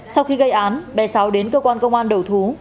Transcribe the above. sau khi gây án bé sáu đến cơ quan công an đầu thú